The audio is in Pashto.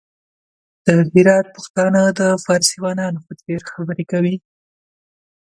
د هرات پښتانه د فارسيوانانو په څېر خبري کوي!